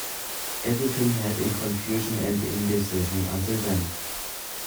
Everything held in confusion and indecision until then!